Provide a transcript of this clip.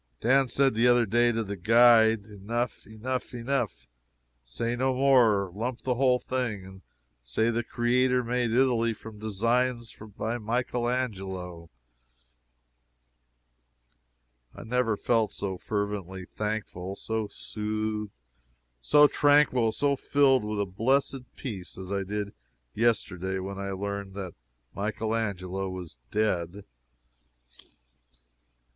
Dan said the other day to the guide, "Enough, enough, enough! Say no more! Lump the whole thing! say that the Creator made Italy from designs by Michael Angelo!" I never felt so fervently thankful, so soothed, so tranquil, so filled with a blessed peace, as I did yesterday when I learned that Michael Angelo was dead.